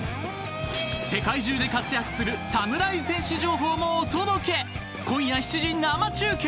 世界中で活躍する侍選手情報もお届け。